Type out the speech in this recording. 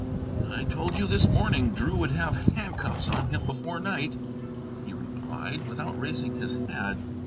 "I told you this morning Drew would have handcuffs on him before night," he replied, without raising his head.